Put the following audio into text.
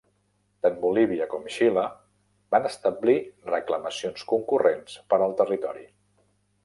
Tant Bolívia com Xile van establir reclamacions concurrents per al territori.